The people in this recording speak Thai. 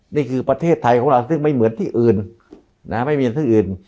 นี่คือประเทศไทยของเราซึ่งไม่เหมือนที่อื่นไม่มีที่อื่น